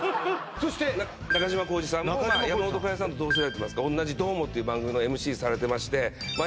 そして中島浩二さんもまあ山本カヨさんと同世代といいますか同じ「ドォーモ」という番組のＭＣされてましてまあ